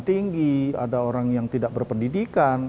tinggi ada orang yang tidak berpendidikan